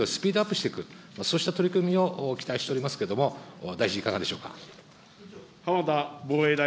さらにそれをスピードアップしていく、そうした取り組みを期待しておりますけれども、大臣、いかがでしょうか。